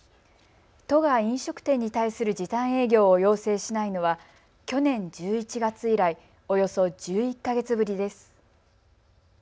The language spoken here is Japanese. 都が飲食店に対する時短営業を要請しないのは去年１１月以来およそ１１か月ぶりです。